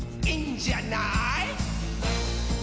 「いいんじゃない？」